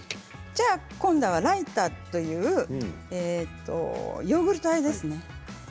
今度はライタというヨーグルトあえですね。